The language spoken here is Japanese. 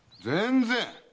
全然！